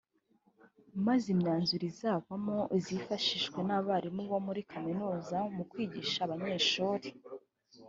maze imyanzuro izavamo izifashishwe n’abarimu bo muri Kaminuza mu kwigisha abanyeshuri